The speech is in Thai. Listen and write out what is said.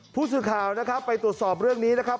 ผู้สื่อข่าวนะครับไปตรวจสอบเรื่องนี้นะครับ